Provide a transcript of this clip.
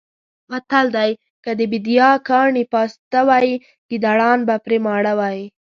متل دی: که د بېدیا کاڼي پاسته وی ګېدړان به پرې ماړه وی.